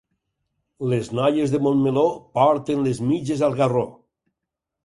Les noies de Montmeló porten les mitges al garró.